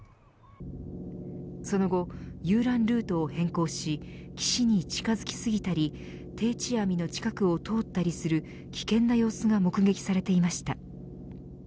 その後、遊覧ルートを変更し岸に近づきすぎたり定置網の近くを通ったりする危険な様子が目撃されていました。